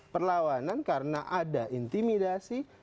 perlawanan karena ada intimidasi